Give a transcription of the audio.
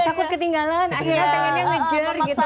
takut ketinggalan akhirnya pengennya ngejar gitu